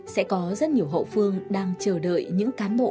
sẽ có rất nhiều hậu phương đang chờ đợi những cán bộ